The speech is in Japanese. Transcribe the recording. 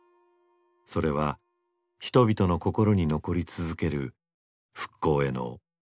それは人々の心に残り続ける復興への大きな一歩だった。